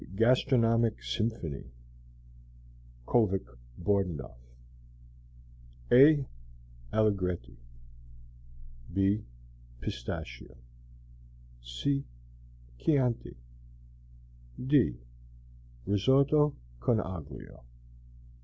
GASTRONOMIC SYMPHONY Kovik Bordunov (a) Allegretti (b) Pistachio (c) Chianti (d) Risotto, con aglio II.